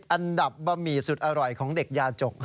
อันดับบะหมี่สุดอร่อยของเด็กยาจก